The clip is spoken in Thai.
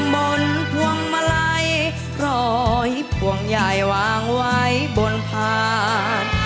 บนพวงมาลัยร้อยพวงยายวางไว้บนพาน